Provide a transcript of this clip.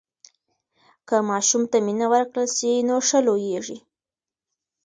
که ماشوم ته مینه ورکړل سي نو ښه لویېږي.